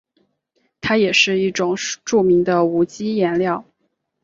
它也是一种著名的无机颜料。